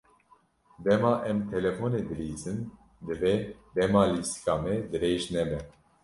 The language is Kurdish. Dema em bi telefonê dilîzin divê dema lîstika me dirêj nebe.